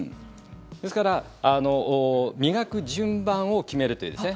ですから磨く順番を決めるという。